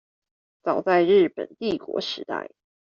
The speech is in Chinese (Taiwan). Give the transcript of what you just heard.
早在日本帝國時代